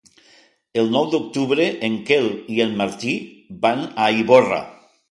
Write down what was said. El nou d'octubre en Quel i en Martí van a Ivorra.